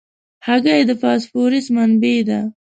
هګۍ د فاسفورس منبع ده.